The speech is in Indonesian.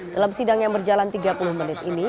dalam sidang yang berjalan tiga puluh menit ini